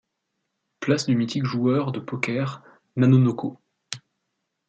Place du mythique joueur de poker nanonoko.